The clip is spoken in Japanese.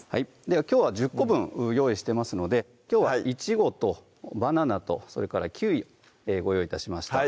きょうは１０個分用意してますのできょうはいちごとバナナとそれからキウイご用意致しました